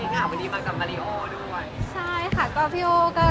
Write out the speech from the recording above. ก็มิ้นก็มีใช้ประจำอยู่แล้วค่ะ